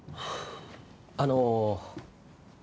あの。